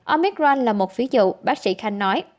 omicron là một ví dụ bác sĩ khanh nói